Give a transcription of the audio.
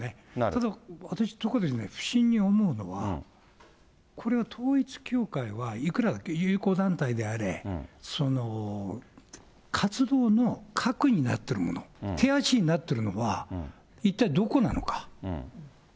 ただ、私不審に思うのは、これは統一教会はいくら友好団体であれ、活動の核になってるもの、手足になってるのは一体どこなのか。